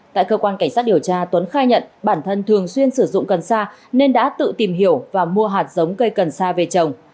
tại cơ quan cảnh sát điều tra tuấn khai nhận bản thân thường xuyên sử dụng cần sa nên đã tự tìm hiểu và mua hạt giống cây cần sa về trồng